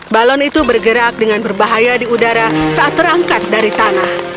balon itu bergerak dengan berbahaya di udara saat terangkat dari tanah